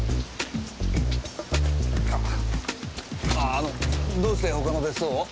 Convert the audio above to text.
あのどうして他の別荘を？